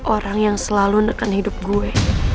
orang yang selalu menekan hidup gue